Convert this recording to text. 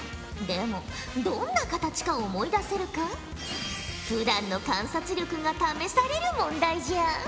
でもどんな形か思い出せるかふだんの観察力が試される問題じゃ！